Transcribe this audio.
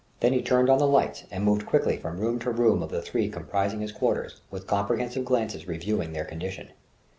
Then he turned on the lights and moved quickly from room to room of the three comprising his quarters, with comprehensive glances reviewing their condition.